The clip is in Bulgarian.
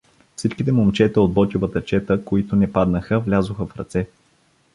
Всичките момчета от Ботйовата чета, които не паднаха, влязоха в ръце.